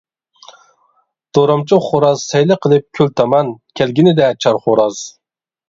دورامچۇق خوراز سەيلى قىلىپ كۆل تامان، كەلگىنىدە چار خوراز.